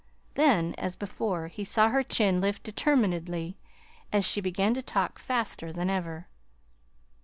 Then, as before, he saw her chin lift determinedly, as she began to talk faster than ever.